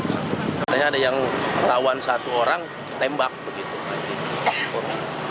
katanya ada yang lawan satu orang tembak begitu